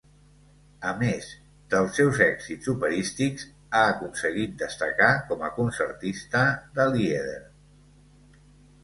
A més dels seus èxits operístics, ha aconseguit destacar com a concertista de lieder.